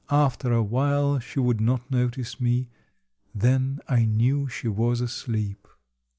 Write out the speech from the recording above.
After awhile she would not notice me; then I knew she was asleep.